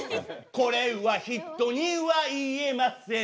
これは人には言えません